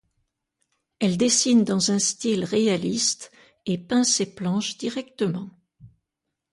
Elle dessine dans un style réaliste et peint ses planches directement.